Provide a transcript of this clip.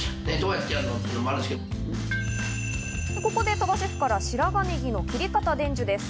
ここで鳥羽シェフから白髪ネギの切り方伝授です。